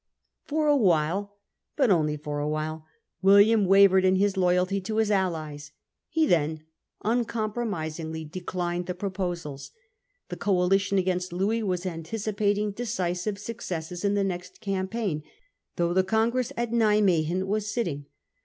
For a while, but only for a while, William wavered in his loyalty to Ms allies ; he then un Wiiiiam compromisingly declined the proposals. The TouiS coalition against Louis was anticipating de offers. cisive successes in the next campaign, though the congress at Nimwegen was sitting.